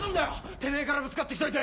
てめぇからぶつかって来といて。